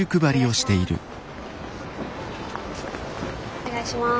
お願いします。